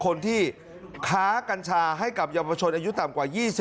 คนที่ค้ากัญชาให้กับยอมประชวนอายุต่ำกว่า๒๐ปี